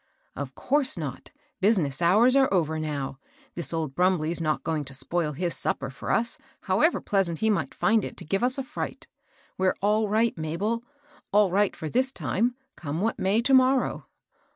" Of course not. Business hours are over now. This old Brumbley's not going to spoil his supper for us, however pleasant he might find it to give us a fiight. We're all right, Mabel, — all right for this time, come what may to morrow."